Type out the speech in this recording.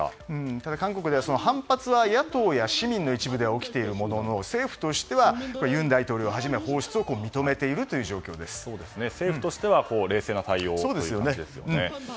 ただ、韓国では反発は野党や市民の一部では起きているものの政府としては尹大統領をはじめ政府としては冷静な対応という感じですよね。